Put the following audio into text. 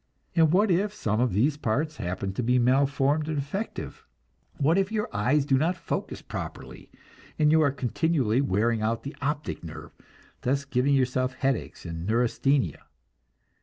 And what if some of these parts happen to be malformed or defective? What if your eyes do not focus properly, and you are continually wearing out the optic nerve, thus giving yourself headaches and neurasthenia?